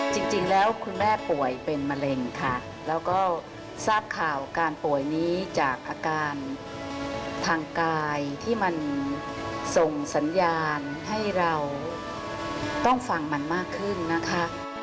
จริงแล้วคุณแม่ป่วยเป็นมะเร็งค่ะแล้วก็ทราบข่าวการป่วยนี้จากอาการทางกายที่มันส่งสัญญาณให้เราต้องฟังมันมากขึ้นนะคะ